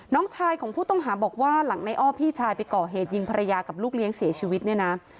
น้องชายของผู้ต้องหาบอกว่าหลังในอ้อพี่ชายไปก่อเหตุยิงภรรยากับลูกเลี้ยงเสียชีวิตเนี่ยนะ